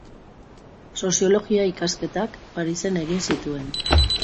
Soziologia ikasketak Parisen egin zituen.